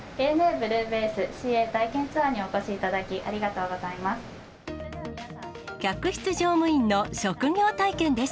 ＡＮＡＣＡ体験ツアーにお越しいただき、ありがとうございます。